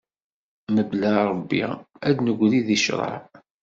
Mebla Rebbi ar d-negri di craɛ.